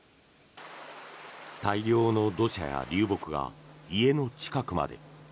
大量の土砂や流木が家の近くまで。